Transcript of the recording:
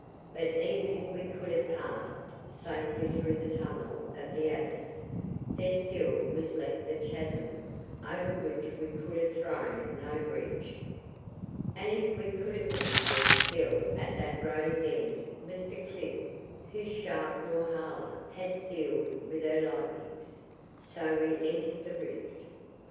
But even if we could have passed safely through the tunnel of the abyss there still was left the chasm over which we could have thrown no bridge. And if we could have bridged it still at that road's end was the cliff whose shaft Norhala had sealed with her lightnings. So we entered the rift.